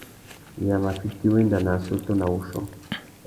Yê a mà fiti wenda nà assôtô nà wuchiô?